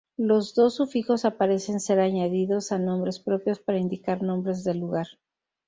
Los dos sufijos aparecen ser añadidos a nombres propios para indicar nombres de lugar.